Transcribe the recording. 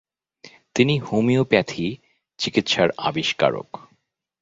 তিনি হোমিওপ্যাথি চিকিৎসার আবিষ্কারক।